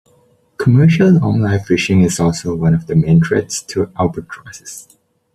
Commercial longline fishing is also one of the main threats to albatrosses.